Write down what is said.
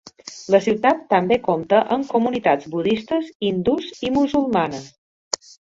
La ciutat també compta amb comunitats budistes, hindús i musulmanes.